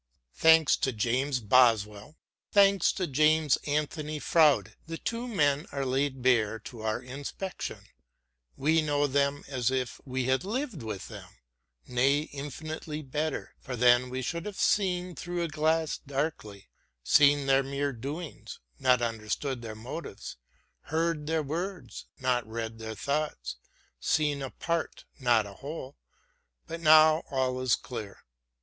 Thanks to James Boswell, thanks to James Anthony Froude, the two men are laid bare to our inspection : we know them as if we had lived with them — nay, infinitely better — ^for then we should have seen through a glass darkly — seen their mere doings, not understood their motives ; heard their words, not read their thoughts ; seen a part, not a whole — but now all is clear.